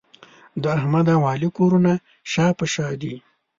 د احمد او علي کورونه شا په شا دي.